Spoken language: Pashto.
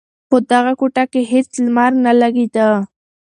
په دغه کوټه کې هېڅ لمر نه لگېده.